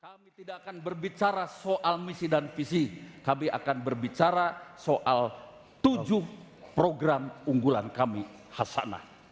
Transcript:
kami tidak akan berbicara soal misi dan visi kami akan berbicara soal tujuh program unggulan kami hasanah